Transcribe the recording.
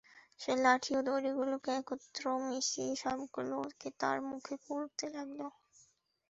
সে লাঠি ও দড়িগুলোকে একত্র মিশিয়ে সবগুলোকে তার মুখে পুরতে লাগল।